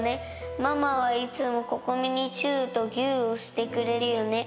ママはいつも心々咲にチューとぎゅーをしてくれるよね。